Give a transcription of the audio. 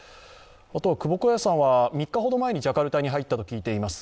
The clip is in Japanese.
あとは３日ほど前にジャカルタに入ったと聞いています。